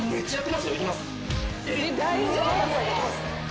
大丈夫？